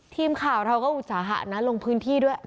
ทีมข่าวเราก็อุตสาหะนะลงพื้นที่ด้วย